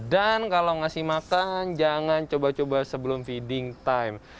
dan kalau ngasih makan jangan coba coba sebelum feeding time